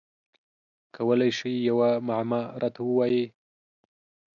کولای شی یوه معما راته ووایی؟